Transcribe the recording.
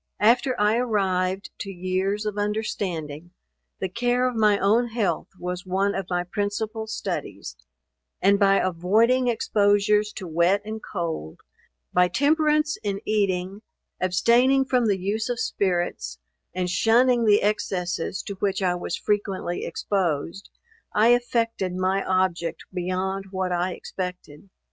After I arrived to years of understanding, the care of my own health was one of my principal studies; and by avoiding exposures to wet and cold, by temperance in eating, abstaining from the use of spirits, and shunning the excesses to which I was frequently exposed, I effected my object beyond what I expected.